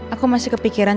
aku masih kepikiran